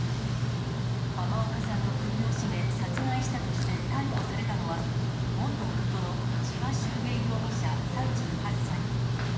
濱岡さんの首を絞め、殺害したとして逮捕されたのは、元夫の千葉修平容疑者３８歳。